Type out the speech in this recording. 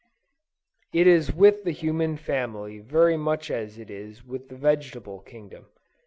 It is with the human family very much as it is with the vegetable kingdom.